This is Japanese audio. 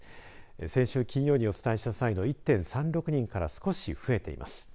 先週金曜にお伝えした際の１．３６人から少し増えています。